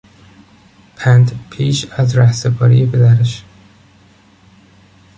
پند پیش از رهسپاری پدرش